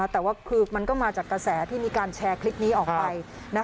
แต่ว่าคือมันก็มาจากกระแสที่มีการแชร์คลิปนี้ออกไป